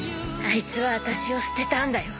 「あいつはあたしを捨てたんだよ」